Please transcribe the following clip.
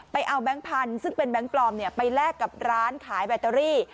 ไปเอาแบงค์พันธุ์ซึ่งเป็นแบงค์ปลอมไปแลกกับร้านขายแบตเตอรี่